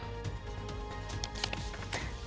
ซึ่งการรู้รักษามคีย์ของคนในชาติ